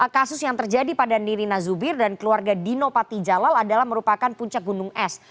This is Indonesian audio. kasus yang terjadi pada nirina zubir dan keluarga dino patijalal adalah merupakan puncak gunung es